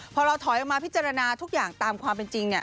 พอเราถอยออกมาพิจารณาทุกอย่างตามความเป็นจริง